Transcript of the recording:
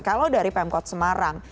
kalau dari pemkot semarang